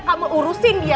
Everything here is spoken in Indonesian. kamu urusin dia